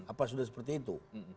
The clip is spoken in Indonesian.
apa sudah seperti itu